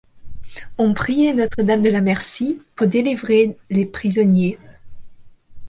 On priait Notre-Dame de la Merci pour délivrer les prisonniers.